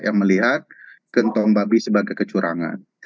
yang melihat kentong babi sebagai kecurangan